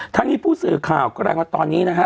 ทั้งนี้ผู้สื่อข่าวก็แรงว่าตอนนี้นะฮะ